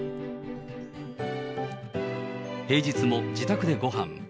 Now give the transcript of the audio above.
平日も自宅でごはん。